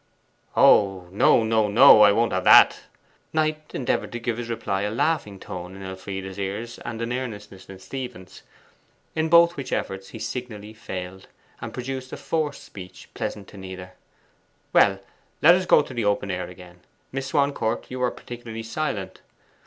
'Oh, no, no! I won't have that.' Knight endeavoured to give his reply a laughing tone in Elfride's ears, and an earnestness in Stephen's: in both which efforts he signally failed, and produced a forced speech pleasant to neither. 'Well, let us go into the open air again; Miss Swancourt, you are particularly silent.